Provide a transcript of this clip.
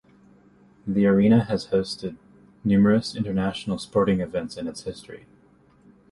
The arena has hosted numerous international sporting events in its history.